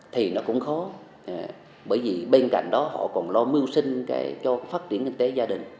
thì nó cũng khó bởi vì bên cạnh đó họ còn lo mưu sinh cho phát triển kinh tế gia đình